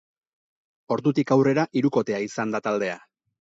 Ordutik aurrera hirukotea izan da taldea.